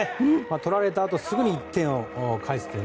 取られたあとすぐ１点を返すという。